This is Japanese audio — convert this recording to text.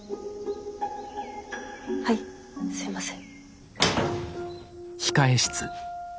はいすいません。